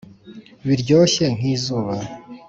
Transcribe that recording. biryoshye nk'izuba